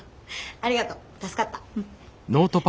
ありがと助かった。